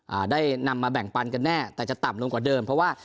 อ่าได้นำมาแบ่งปันกันแน่แต่จะต่ำลงกว่าเดิมเพราะว่า